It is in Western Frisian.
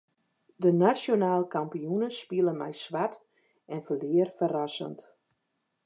De nasjonaal kampioene spile mei swart en ferlear ferrassend.